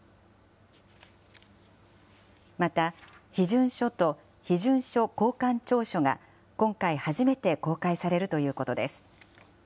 また、批准書と批准書交換調書が今回初めて公開されるということです。